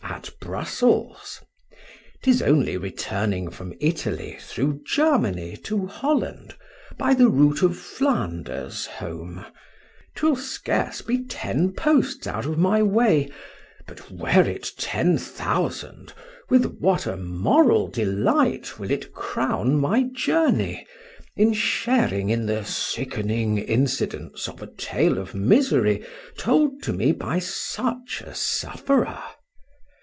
at Brussels;—'tis only returning from Italy through Germany to Holland, by the route of Flanders, home;—'twill scarce be ten posts out of my way; but, were it ten thousand! with what a moral delight will it crown my journey, in sharing in the sickening incidents of a tale of misery told to me by such a sufferer?